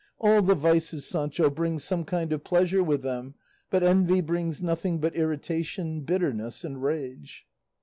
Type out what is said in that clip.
All the vices, Sancho, bring some kind of pleasure with them; but envy brings nothing but irritation, bitterness, and rage."